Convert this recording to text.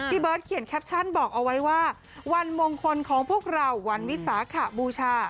เบิร์ตเขียนแคปชั่นบอกเอาไว้ว่าวันมงคลของพวกเราวันวิสาขบูชา